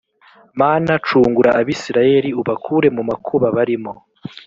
mana cungura abisirayeli ubakure mu makuba barimo.